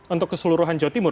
untuk keseluruhan jawa timur